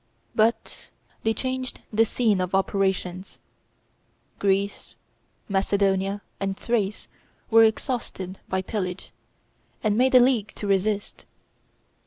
But they changed the scene of operations. Greece, Macedonia, and Thrace were exhausted by pillage, and made a league to resist.